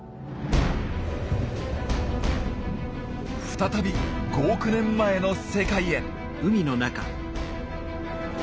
再び５億年前の世界へ！